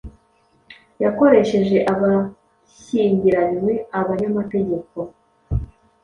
Yakoresheje Abashyingiranywe Abanyamategeko